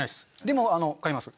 でも、買います。